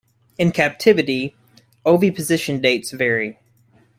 In captivity, oviposition dates vary.